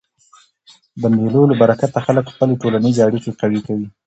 د مېلو له برکته خلک خپلي ټولنیزي اړیکي قوي کوي.